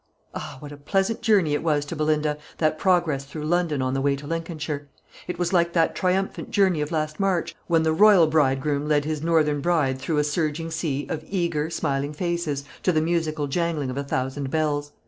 Ah! what a pleasant journey it was to Belinda, that progress through London on the way to Lincolnshire! It was like that triumphant journey of last March, when the Royal bridegroom led his Northern bride through a surging sea of eager, smiling faces, to the musical jangling of a thousand bells.